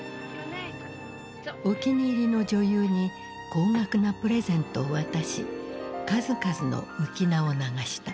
お気に入りの女優に高額なプレゼントを渡し数々の浮き名を流した。